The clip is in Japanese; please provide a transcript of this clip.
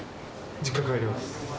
実家帰ります。